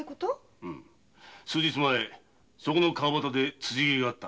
数日前そこの川端で辻斬りがあった。